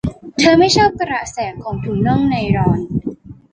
เธอไม่ชอบกระแสของถุงน่องไนลอน